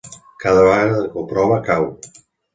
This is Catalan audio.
Cada vegada que ho prova cau.